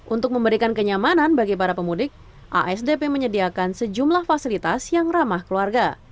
untuk memberikan kenyamanan bagi para pemudik asdp menyediakan sejumlah fasilitas yang ramah keluarga